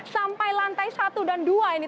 sampai lantai satu dan dua ini